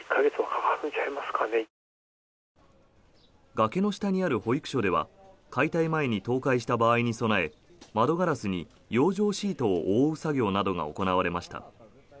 崖の下にある保育所では解体前に倒壊した場合に備え窓ガラスに養生シートを覆う作業などが行われました。